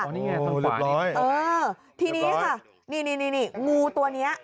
นี่ไงเรียบร้อยเออทีนี้ค่ะนี่นี่งูตัวเนี้ย